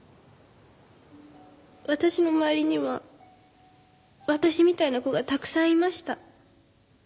私の周りには私みたいな子がたくさんいました。